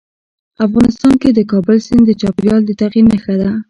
افغانستان کې د کابل سیند د چاپېریال د تغیر نښه ده.